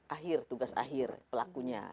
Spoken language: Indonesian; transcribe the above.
akhir tugas akhir pelakunya